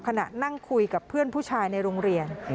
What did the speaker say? ขณะนั่งคุยกับเพื่อนผู้ชายในโรงเรียน